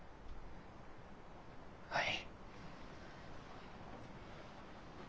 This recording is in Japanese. はい。